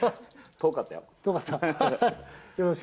遠かった？